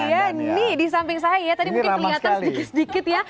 ini di samping saya ya tadi mungkin kelihatan sedikit sedikit ya